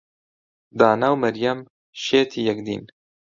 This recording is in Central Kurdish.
دانا و مەریەم شێتی یەکدین.